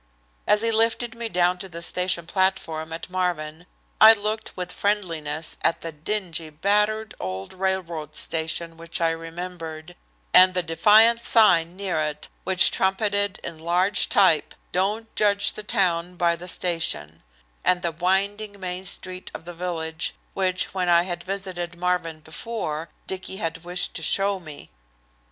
As he lifted me down to the station platform at Marvin I looked with friendliness at the dingy, battered old railroad station which I remembered, at the defiant sign near it which trumpeted in large type, "Don't judge the town by the station," and the winding main street of the village, which, when I had visited Marvin before, Dicky had wished to show me.